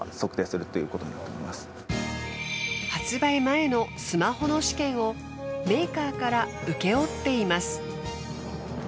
発売前のスマホの試験をメーカーから請け負っています。